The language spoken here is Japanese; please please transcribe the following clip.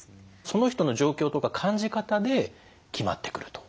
その人の状況とか感じ方で決まってくるということ？